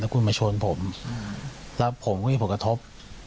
แล้วคุณมาชนผมแล้วผมก็ได้ผลกระทบ